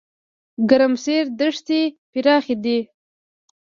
ګرمسیر دښتې پراخې دي؟